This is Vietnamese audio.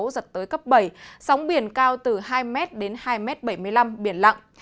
giật tới cấp bảy sóng biển cao từ hai m đến hai m bảy mươi năm biển lặng